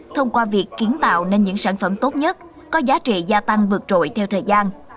thông qua việc kiến tạo nên những sản phẩm tốt nhất có giá trị gia tăng vượt trội theo thời gian